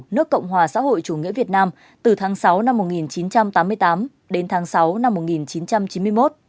nước cộng hòa xã hội chủ nghĩa việt nam từ tháng sáu năm một nghìn chín trăm tám mươi tám đến tháng sáu năm một nghìn chín trăm chín mươi một